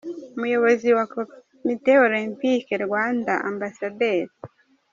Umuyobozi wa Komite Olempike y’u Rwanda, Amb.